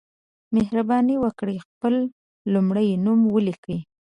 مهرباني وکړئ خپل لمړی نوم ولیکئ